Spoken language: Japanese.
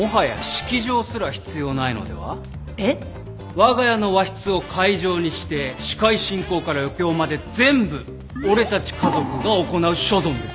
わが家の和室を会場にして司会進行から余興まで全部俺たち家族が行う所存です。